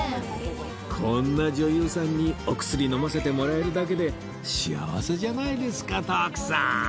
こんな女優さんにお薬飲ませてもらえるだけで幸せじゃないですか徳さん